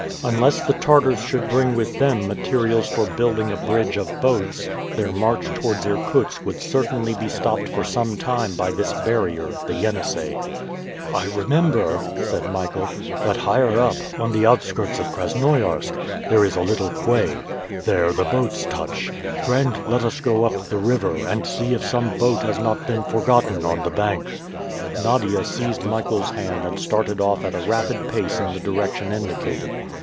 Unless the Tartars should bring with them materials for building a bridge of boats, their march towards Irkutsk would certainly be stopped for some time by this barrier, the Yenisei. "I remember," said Michael, "that higher up, on the outskirts of Krasnoiarsk, there is a little quay. There the boats touch. Friend, let us go up the river, and see if some boat has not been forgotten on the bank." Nadia seized Michael's hand and started off at a rapid pace in the direction indicated.